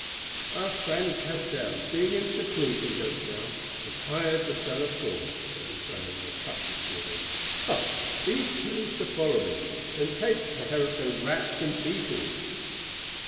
"Our friend Castell, being in seclusion just now, has hired the cellar floor," said Israel with a chuckle to Inez, "so be pleased to follow me, and take care of the rats and beetles."